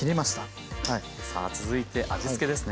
さあ続いて味付けですね。